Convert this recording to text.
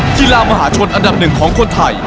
กีฬามหาชนอันดับหนึ่งของคนไทย